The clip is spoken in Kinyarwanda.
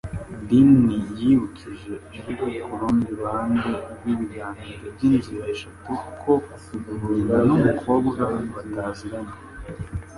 Dean yibukije ijwi kurundi ruhande rwibiganiro byinzira eshatu ko nyina numukobwa bataziranye.